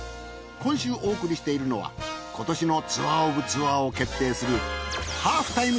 今週お送りしているのは今年のツアーオブツアーを決定するハーフタイム